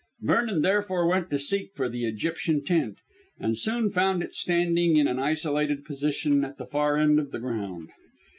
Vernon therefore went to seek for the Egyptian tent and soon found it standing in an isolated position at the far end of the ground.